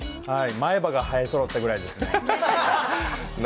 前歯が生えそろったぐらいですね。